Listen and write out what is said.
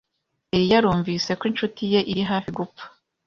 Yari yarumvise ko inshuti ye iri hafi gupfa.